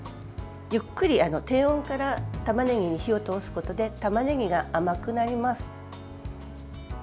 ゆっくり低温からたまねぎに火を通すことでたまねぎが甘くなります。